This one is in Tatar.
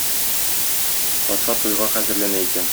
Патша туйга хәзерләнә икән.